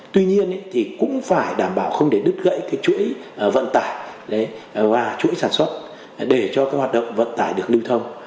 tuy nhiên thì cũng phải đảm bảo không để đứt gãy cái chuỗi vận tải và chuỗi sản xuất để cho cái hoạt động vận tải được lưu thông